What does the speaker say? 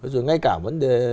rồi ngay cả vấn đề